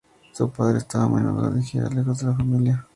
Su padre estaba a menudo de gira, lejos de la familia.